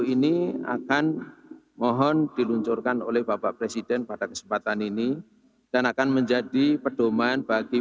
ini akan mohon diluncurkan oleh bapak presiden pada kesempatan ini dan akan menjadi pedoman bagi